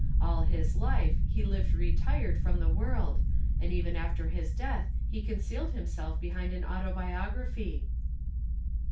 All his life he lived retired from the world, and even after his death he concealed himself behind an autobiography."